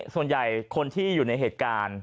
ส่วนใหญ่คนที่อยู่ในเหตุการณ์